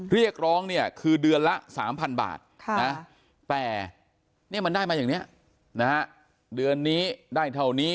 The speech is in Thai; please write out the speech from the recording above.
เรียกร้องเนี่ยคือเดือนละ๓๐๐บาทแต่เนี่ยมันได้มาอย่างนี้นะฮะเดือนนี้ได้เท่านี้